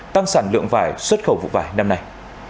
tăng sản lượng vải xuất khẩu vụ vải năm nay